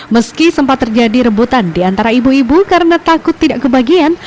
meski sempat terjadi rebutan di antara ibu ibu karena takut tidak kebagian